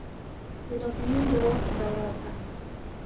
د ناپلیون د واک دوره ده.